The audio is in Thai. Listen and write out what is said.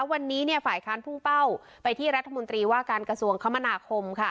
วันนี้ฝ่ายค้านพุ่งเป้าไปที่รัฐมนตรีว่าการกระทรวงคมนาคม